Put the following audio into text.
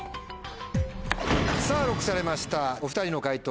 さぁＬＯＣＫされましたお２人の解答